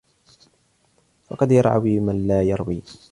فَقَدْ يَرْعَوِي مَنْ لَا يَرْوِي